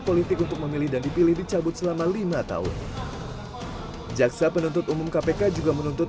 politik untuk memilih dan dipilih dicabut selama lima tahun jaksa penuntut umum kpk juga menuntut